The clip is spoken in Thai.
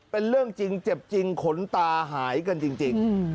เป็นเรื่องจริงเจ็บจริงขนตาหายกันจริง